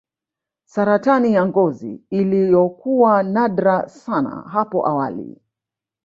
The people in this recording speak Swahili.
Saratani ya ngozi iliyokuwa nadra sana hapo awali